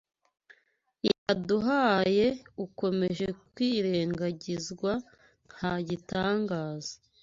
yaduhaye ukomeje kwirengagizwa, nta gitangaza